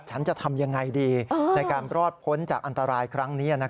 ฉันจะทำยังไงดีในการรอดพ้นจากอันตรายครั้งนี้